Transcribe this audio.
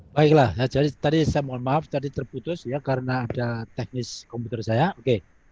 baiklah jadi tadi saya mohon maaf tadi terputus ya karena ada teknis komputer saya oke